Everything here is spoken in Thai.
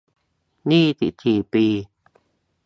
ยี่สิบสี่ ปี